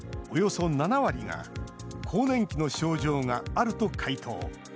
およそ７割が更年期の症状があると回答。